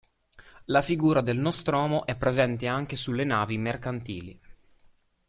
La figura del nostromo è presente anche sulle navi mercantili.